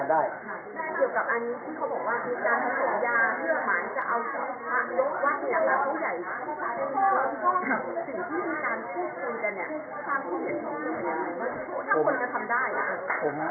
ในประโยชน์ใหญ่ของเขา